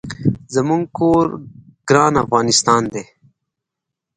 زمونږ کور ګران افغانستان دي